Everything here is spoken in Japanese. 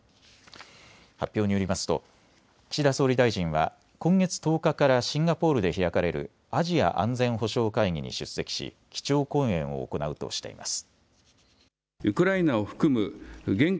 発表によりますと岸田総理大臣は今月１０日からシンガポールで開かれるアジア安全保障会議に出席し基調講演を行うとしています。